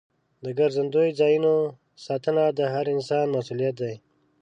د ګرځندوی ځایونو ساتنه د هر انسان مسؤلیت دی.